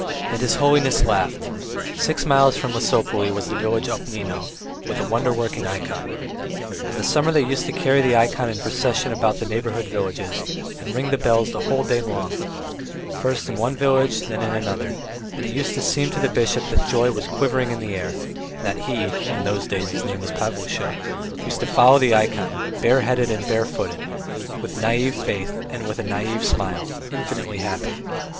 And his holiness laughed. Six miles from Lesopolye was the village Obnino with a wonder working ikon. In the summer they used to carry the ikon in procession about the neighbouring villages and ring the bells the whole day long; first in one village and then in another, and it used to seem to the bishop then that joy was quivering in the air, and he (in those days his name was Pavlusha) used to follow the ikon, bareheaded and barefoot, with naïve faith, with a naïve smile, infinitely happy.